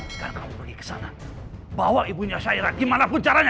sekarang kamu pergi ke sana bawa ibunya saya gimana pun caranya